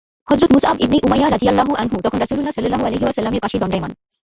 হযরত Musab ibn Umayya রাযিয়াল্লাহু আনহু তখন রাসূল সাল্লাল্লাহু আলাইহি ওয়াসাল্লাম-এর পাশে দণ্ডায়মান।